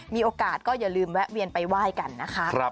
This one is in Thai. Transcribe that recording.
มีโอกาสก็อย่าลืมแวะเวียนไปไหว้กันนะคะ